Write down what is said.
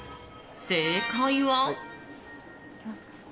正解は。